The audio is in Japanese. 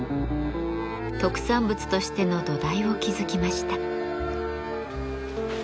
特産物としての土台を築きました。